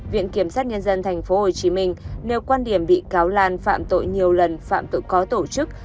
viện kiểm sát nhân dân tp hcm nêu quan điểm bị cáo lan phạm tội nhiều lần phạm tội có tổ chức